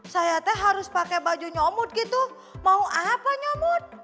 saya teh harus pakai baju nyomut gitu mau apa nyomut